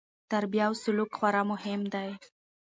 تربیه او سلوک خورا مهم دي.